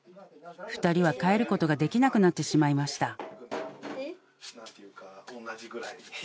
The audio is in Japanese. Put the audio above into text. ２人は帰ることができなくなってしまいました。